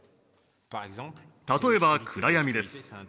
例えば暗闇です。